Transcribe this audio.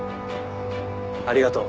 ありがとう。